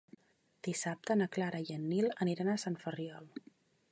Dissabte na Clara i en Nil aniran a Sant Ferriol.